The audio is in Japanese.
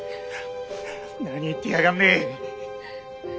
何言ってやがんでえ。